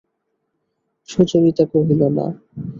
সুচরিতা কহিল, না।